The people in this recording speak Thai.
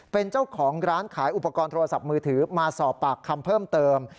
เป็นเจ้าของร้านขายอุปกรณ์โทรศัพท์มือถือมาสอบปากคำเพิ่มเติม